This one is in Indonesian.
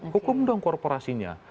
hukum dong korporasinya